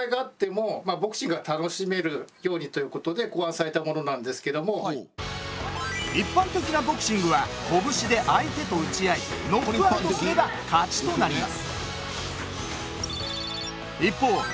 その中でも一般的なボクシングは拳で相手と打ち合いノックアウトすれば勝ちとなります。